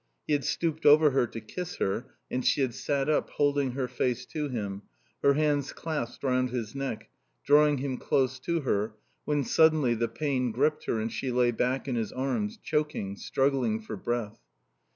He had stooped over her to kiss her and she had sat up, holding her face to him, her hands clasped round his neck, drawing him close to her, when suddenly the pain gripped her and she lay back in his arms, choking, struggling for breath.